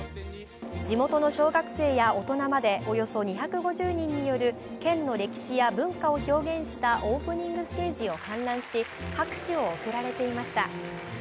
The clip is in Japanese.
地元の小学生や大人までおよそ２５０人による県の歴史や文化を表現したオープニングステージを観覧し、拍手送られていました。